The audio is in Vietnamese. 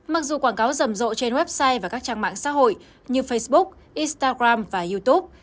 mặc dù quảng cáo rầm rộ trên website và các trang mạng xã hội như facebook instagram và youtube